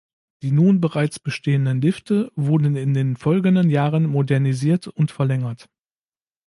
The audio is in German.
Die nun bereits bestehenden Lifte wurden in den folgenden Jahren modernisiert und verlängert.